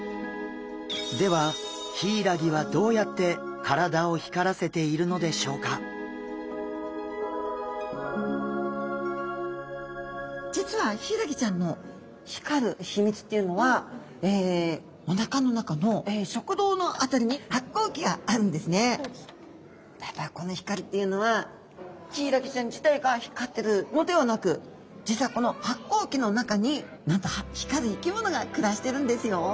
ではヒイラギは実はヒイラギちゃんの光る秘密っていうのはおなかの中の食道の辺りにただこの光っていうのはヒイラギちゃん自体が光ってるのではなく実はこの発光器の中になんと光る生き物が暮らしてるんですよ。